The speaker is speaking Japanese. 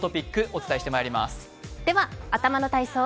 お伝えしてまいります。